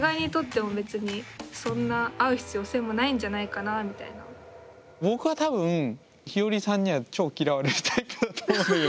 僕は多分ひよりさんには超嫌われるタイプだと思うんだけど。